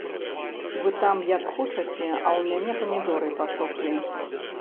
Вы там як хочаце, а ў мяне памідоры пасохлі.